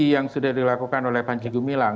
jadi itu sudah dilakukan oleh panjigu milang